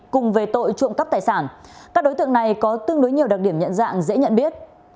cùng về tội trộm cắp tài sản các đối tượng này có tương đối nhiều đặc điểm nhận dạng dễ nhận biết